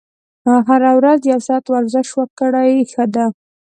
هره ورځ یو ساعت ورزش وکړئ ښه ده.